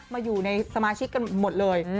มาอยู่ในสมาชิกกันหมดเลย